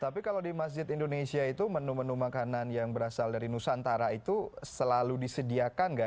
tapi kalau di masjid indonesia itu menu menu makanan yang berasal dari nusantara itu selalu disediakan nggak